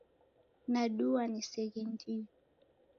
Nadua niseghendie.